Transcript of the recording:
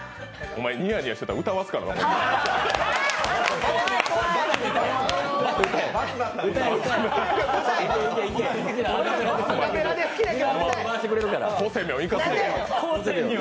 お前、にやにやしてたら歌わすからな、ホンマに。